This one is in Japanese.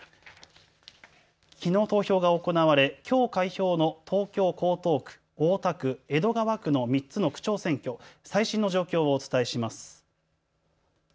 きのう投票が行われきょう開票の東京江東区、大田区、江戸川区の３つの区長選挙、最新の状況をお伝えします。